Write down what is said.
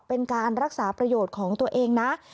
เป็นการรักษาประโยชน์ของตัวเองนะ